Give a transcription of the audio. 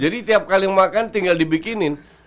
jadi tiap kali makan tinggal dibikinin